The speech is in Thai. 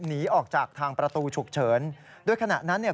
หนีออกจากทางประตูฉุกเฉินโดยขณะนั้นเนี่ย